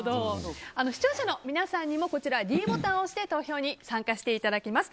視聴者の皆さんにもｄボタンを押して投票に参加していただきます。